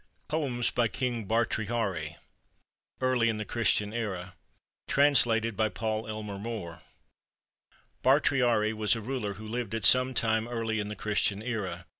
POEMS BY KING BIL\RTRIHARI [Early in the Christian era] TRANSLATED BY PAUL ELMER MORE [Bhartrihari was a ruler who lived at some time early in the Christian era.